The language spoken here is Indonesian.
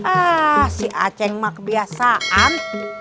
ah si aceh emak kebiasaan